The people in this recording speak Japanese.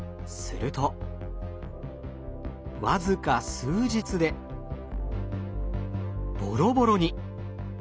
すると僅か数日でボロボロに！